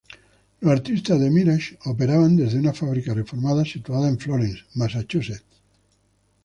Los artistas de "Mirage" operaban desde una fábrica reformada, situada en Florence, Massachusetts.